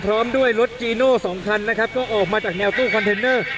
พร้อมด้วยรถจีโน่สองคันนะครับก็ออกมาจากแนวตู้คอนเทนเนอร์